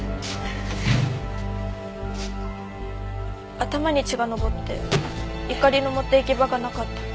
頭に血が上って怒りの持って行き場がなかった。